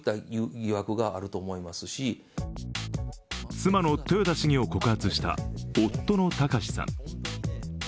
妻の豊田市議を告発した夫の貴志さん。